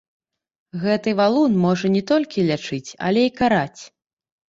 Гэты валун можа не толькі лячыць, але і караць.